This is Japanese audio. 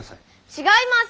違います！